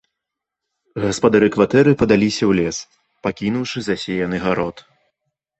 Гаспадары кватэры падаліся ў лес, пакінуўшы засеяны гарод.